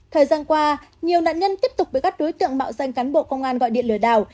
thời gian qua nhiều nạn nhân tiếp tục bị các đối tượng mạo danh cán bộ công an gọi điện lừa đảo